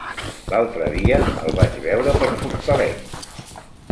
L'altre dia el vaig veure per Fortaleny.